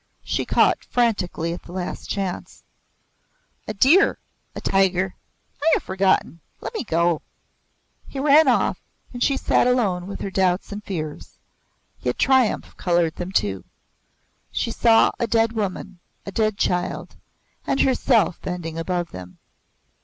She caught frantically at the last chance. "A deer a tiger. I have forgotten. Let me go." He ran off and she sat alone with her doubts and fears. Yet triumph coloured them too. She saw a dead woman, a dead child, and herself bending above them.